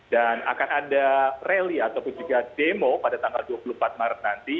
dan akan ada rally ataupun juga demo pada tanggal dua puluh empat maret nanti